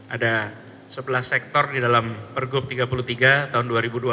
ada sebelas sektor di dalam pergub tiga puluh tiga tahun dua ribu dua puluh